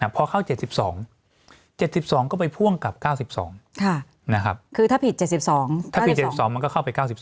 พอเข้า๗๒๗๒ก็ไปพ่วงกับ๙๒คือถ้าผิด๗๒ถ้าผิด๗๒มันก็เข้าไป๙๒